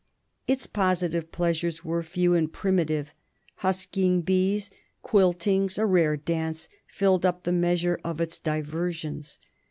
Its positive pleasures were few and primitive. Husking bees, quiltings, a rare dance, filled up the measure of its diversions.